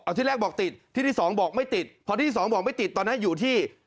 ที่แรกบอกติดที่ที่สองบอกไม่ติดพอที่สองบอกไม่ติดตอนนั้นอยู่ที่